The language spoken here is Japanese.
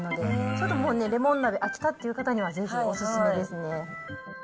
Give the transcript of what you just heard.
ちょっともうね、レモン鍋飽きたという方にはぜひお勧めですね。